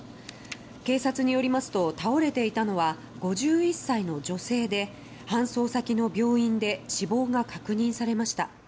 警察によりますと倒れていたのは５１歳の女性で搬送先の病院で死亡が確認されました。